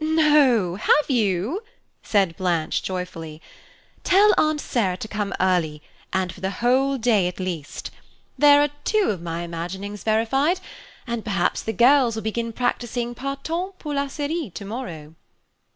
"No, have you?" said Blanche joyfully. "Tell Aunt Sarah to come early, and for the whole day at least! there are two of my imaginings verified, and perhaps the girls will begin practising Partant pour la Syrie to morrow."